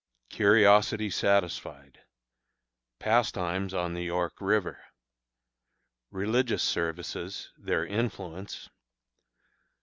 Curiosity Satisfied. Pastimes on the York River. Religious Services; their Influence.